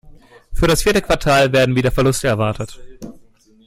Für das vierte Quartal werden wieder Verluste erwartet.